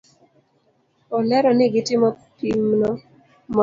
Olero ni gitimo pimno motelo ne odiochieng' kedo gi tb ebuo piny mangima.